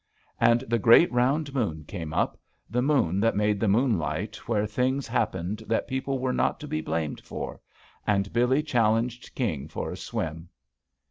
And the great round moon came up — ^the moon that made the moonlight where things happened that people were not to be blamed for. And Billee challenged King for a swim.